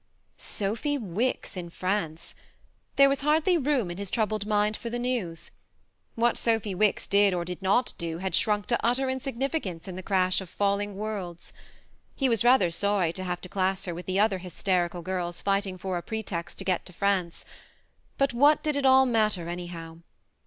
Sophy Wicks in France ! There was hardly room in his troubled mind for the news. What Sophy Wicks did or did not do had shrunk to utter in significance in the crash of falling worlds. He was rather sorry to have to class her with the other hysterical girls fighting for a pretext to get to France ; but what did it all matter, anyhow?